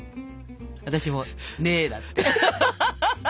私も「ねえ」だって。